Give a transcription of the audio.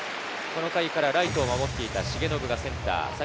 この回からライトを守っていた重信がセンター。